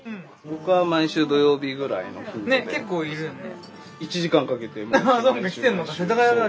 ねっ結構いるよね。